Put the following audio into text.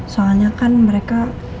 soalnya kan mereka